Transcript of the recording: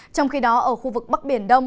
trong khi đó ở khu vực bắc biển đông